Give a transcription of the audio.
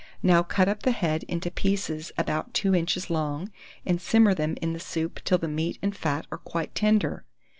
Now cut up the head into pieces about two inches long, and simmer them in the soup till the meat and fat are quite tender.